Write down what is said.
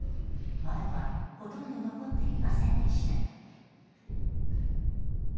窓はほとんど残っていませんでした。